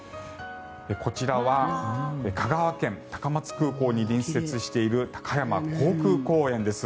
こちらは香川県・高松空港に隣接している高山航空公園です。